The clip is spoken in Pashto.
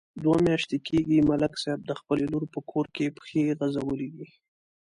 دوه میاشتې کېږي، ملک صاحب د خپلې لور په کور کې پښې غځولې دي.